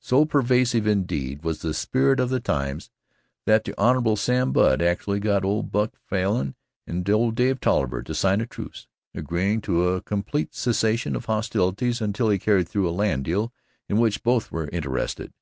So pervasive, indeed, was the spirit of the times that the Hon. Sam Budd actually got old Buck Falin and old Dave Tolliver to sign a truce, agreeing to a complete cessation of hostilities until he carried through a land deal in which both were interested.